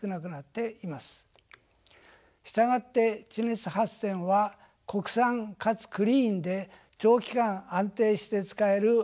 従って地熱発電は国産かつクリーンで長期間安定して使える発電です。